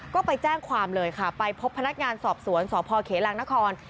ก็ไปแจ้งความเลยค่ะไปพบพนักงานสอบสวนสพเขลังนคร